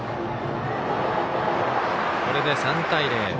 これで、３対０。